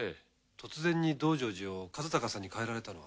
突然に『道成寺』を和鷹さんにかえられたのは？